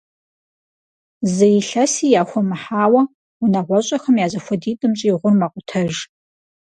Зы илъэси яхуэмыхьауэ, унагъуэщӀэхэм я зэхуэдитӀым щӀигъур мэкъутэж.